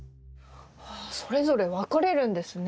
それぞれ分かれるんですね。